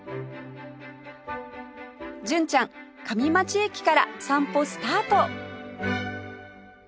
純ちゃん上町駅から散歩スタート！